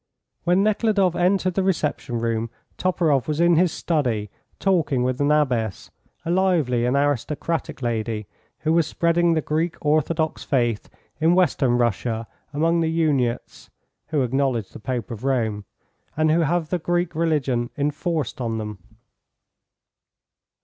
When Nekhludoff entered the reception room Toporoff was in his study talking with an abbess, a lively and aristocratic lady, who was spreading the Greek orthodox faith in Western Russia among the Uniates (who acknowledge the Pope of Rome), and who have the Greek religion enforced on them.